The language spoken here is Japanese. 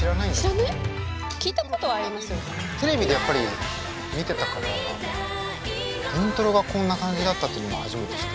テレビでやっぱり見てたからイントロがこんな感じだったっていうのも今初めて知った。